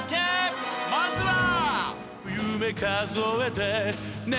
［まずは］